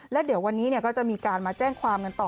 แล้วเดี๋ยววันนี้ก็จะมีการมาแจ้งความกันต่อ